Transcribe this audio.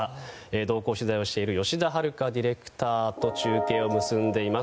同行取材をしている吉田遥ディレクターと中継を結んでいます。